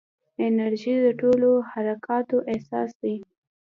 انرژي د ټولو حرکاتو اساس دی.